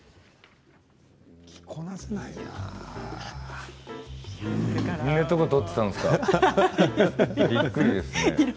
着こなせないな。